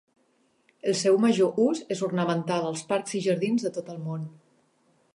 El seu major ús és ornamental a parcs i jardins de tot el món.